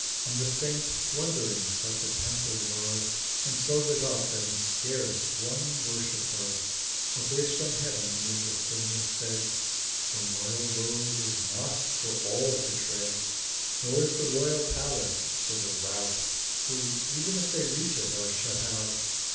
And the Saint wondering such a Temple were, And so lit up, and scarce one worshipper, 100 A voice from Heav'n amid the stillness said: 'The Royal Road is not for all to tread, Nor is the Royal Palace for the Rout, Who, even if they reach it, are shut out.